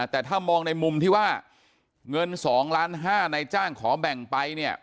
แต่ถ้ามองในมุมที่ว่าเงิน๒ล้าน๕นายจ้างขอแบ่งไปเนี่ย